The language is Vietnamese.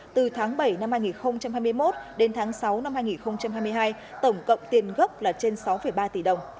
từ tháng bảy năm hai nghìn hai mươi một đến tháng sáu năm hai nghìn hai mươi hai tổng cộng tiền gấp là trên sáu ba tỷ đồng